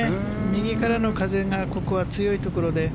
右からの風がここは強いところで。